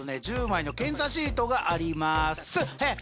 １０枚の検査シートがありますっ。